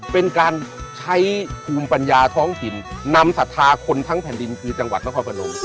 เป็นการใช้ภูมิปัญญาท้องถิ่นนำศรัทธาคนทั้งแผ่นดินคือจังหวัดนครพนม